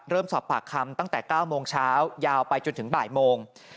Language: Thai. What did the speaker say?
เริ่มสอบปากคำตั้งแต่๙โมงเช้ายาวไปจนถึงบ่ายโมง